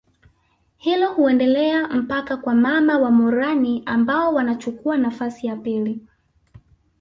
Hilo huendelea mpaka kwa mama wa morani ambao wanachukuwa nafasi ya pili